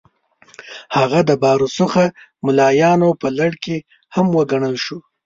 هغه د با رسوخه ملایانو په لړ کې هم وګڼل شو.